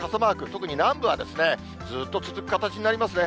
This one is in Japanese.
特に南部はずっと続く形になりますね。